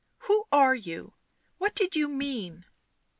"Who are you? What did you mean?"